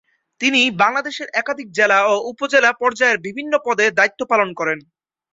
তিনি বাংলাদেশের একাধিক জেলা ও উপজেলা পর্যায়ের বিভিন্ন পদে দায়িত্ব পালন করেন।